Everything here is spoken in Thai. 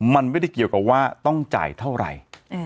มันไม่ได้เกี่ยวกับว่าต้องจ่ายเท่าไหร่